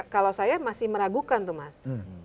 kalau saya masih meragukan tuh mas